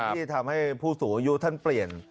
ที่ทำให้ผู้สูงอายุท่านเปลี่ยน